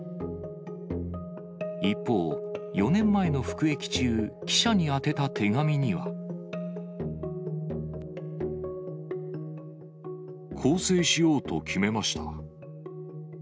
一方、４年前の服役中、記者に宛てた手紙には。更生しようと決めました。